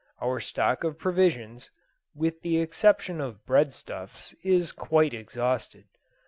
Our stock of provisions, with the exception of breadstuffs, is quite exhausted.